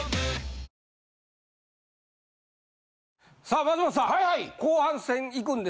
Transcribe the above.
さあ松本さん